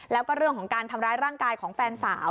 แล้วก็เรื่องของการทำร้ายร่างกายของแฟนสาว